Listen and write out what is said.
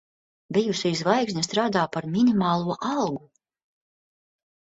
Bijusī zvaigzne strādā par minimālo algu.